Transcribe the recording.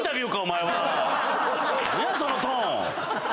何や⁉そのトーン！